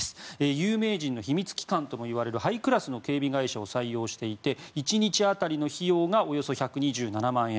有名人の秘密機関ともいわれるハイクラスの警備会社を採用していて１日当たりの費用がおよそ１２７万円。